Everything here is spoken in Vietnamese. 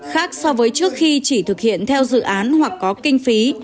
khác so với trước khi chỉ thực hiện theo dự án hoặc có kinh phí